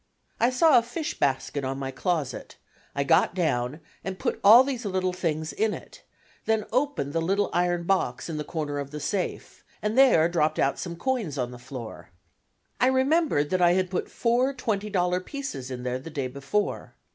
I saw a fish basket on my closet; I got it down and put all these little things in it, then opened the little iron box in the corner of the safe, and there dropped out some coins on the floor. I remembered that I had put four twenty dollar pieces in there the day before.